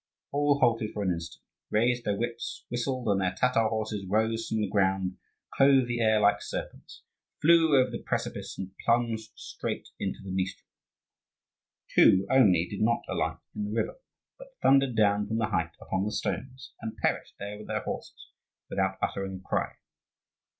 All halted for an instant, raised their whips, whistled, and their Tatar horses rose from the ground, clove the air like serpents, flew over the precipice, and plunged straight into the Dniester. Two only did not alight in the river, but thundered down from the height upon the stones, and perished there with their horses without uttering a cry.